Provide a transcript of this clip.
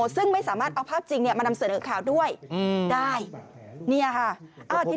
ซึ่งไม่สามารถเอาภาพจริงมานำเสนอข่าวด้วยได้